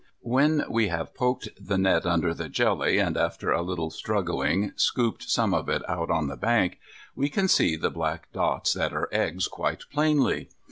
When we have poked the net under the jelly, and after a little struggling scooped some of it out on the bank, we can see the black dots that are eggs quite plainly.